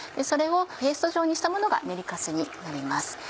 それをペースト状にしたものが練り粕になります。